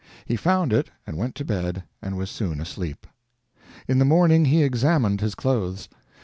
He found it and went to bed and was soon asleep. In the morning, he examined his clothes.